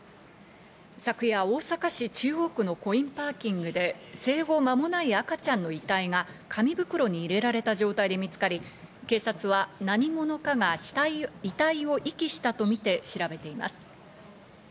昨夜、大阪市中央区のコインパーキングで生後まもない赤ちゃんの遺体が紙袋に入れられた状態で見つかり、警察は何者かが遺体を遺棄したとみて調べています。